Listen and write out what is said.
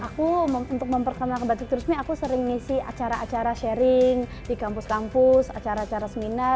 aku untuk memperkenalkan batik terusmi aku sering ngisi acara acara sharing di kampus kampus acara acara seminar